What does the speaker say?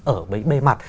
ở bề mặt